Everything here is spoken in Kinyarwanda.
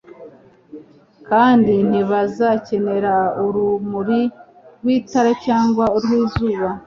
kandi ntibazakenera urumuri rw itara cyangwa urw izuba